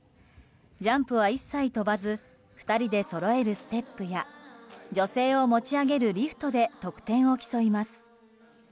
ジャンプは一切跳ばず２人でそろえるステップや女性を持ち上げるリフトで得点を競います。